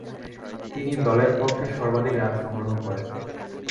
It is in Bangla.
তিনি দলের পক্ষে সর্বাধিক রান সংগ্রহ করেন।